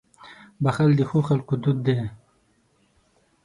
• بښل د ښو خلکو دود دی.